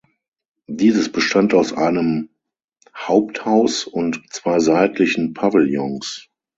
Dieses bestand aus einem Haupthaus und zwei seitlichen Pavillons.